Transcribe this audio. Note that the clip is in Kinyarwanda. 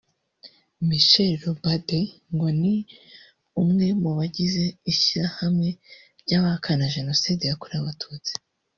Michel Robardey ngo ni umwe mu bagize ishyirahamwe ry’abahakana Jenoside yakorewe Abatutsi